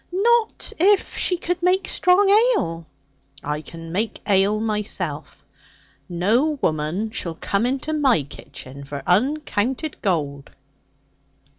'Not if she could make strong ale?' 'I can make ale myself. No woman shall come into my kitchen for uncounted gold.'